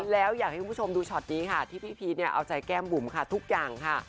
แล้วอยากให้คุณผู้ชมดูช็อตนี้ค่ะที่พี่พีชเนี่ยเอาใจแก้มบุ๋มค่ะทุกอย่างค่ะ